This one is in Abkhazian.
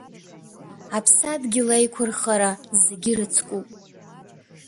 Аԥсадгьыл аиқәырхара зегьы ирыцкуп…